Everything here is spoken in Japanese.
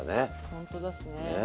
ほんとですね。ね。